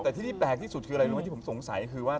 แต่ที่นี่แปลกที่สุดคืออะไรรู้ไหมที่ผมสงสัยคือว่า